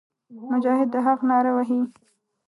مجاهد د حق ناره وهي.